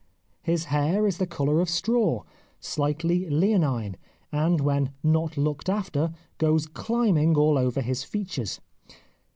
His hair is the colour of straw, slightly leonine, and when not looked after, goes climbing all over his features.